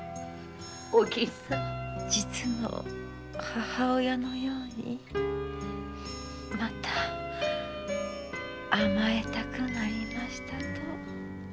実の母親のようにまた甘えたくなりましたと。